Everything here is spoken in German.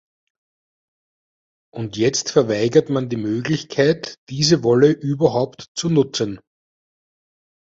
Und jetzt verweigert man die Möglichkeit, diese Wolle überhaupt zu nutzen.